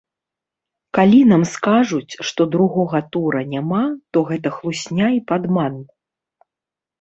Калі нам скажуць, што другога тура няма, то гэта хлусня і падман.